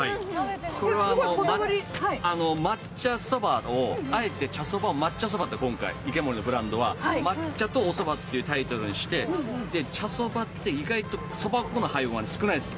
これはあえて抹茶そばを池森のブランドは、「抹茶とおそば」というタイトルにして、茶そばって意外とそば粉の配分が少ないんです。